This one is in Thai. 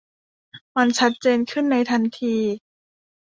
มันชัดเจนขึ้นในทันที